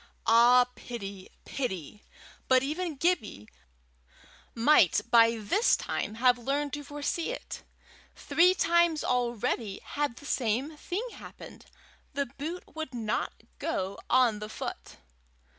Ah, pity! pity! But even Gibbie might by this time have learned to foresee it! three times already had the same thing happened: the boot would not go on the foot.